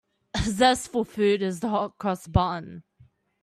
A zestful food is the hot-cross bun.